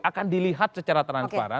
akan dilihat secara transparan